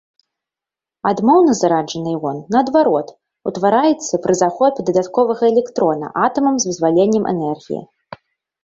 Адмоўна зараджаны іон, наадварот, утвараецца пры захопе дадатковага электрона атамам з вызваленнем энергіі.